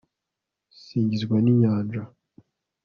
singizwa n'inyanja